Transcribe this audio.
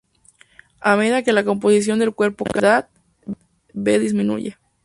A medida que la composición del cuerpo cambia con la edad, V disminuye.